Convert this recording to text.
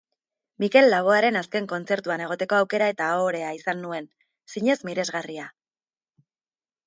Mikel Laboaren azken kontzertuan egoteko aukera eta ohorea izan nuen, zinez miresgarria.